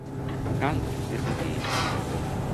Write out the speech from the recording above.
Kant si sentì incompreso.